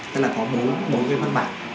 tức là có bốn cái văn bản